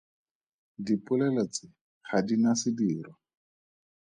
Dipolelo tse ga di na sedirwa.